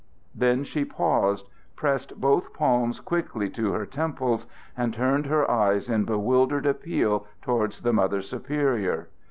Then she paused, pressed both palms quickly to her temples, and turned her eyes in bewildered appeal towards the Mother Superior.